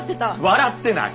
笑ってない！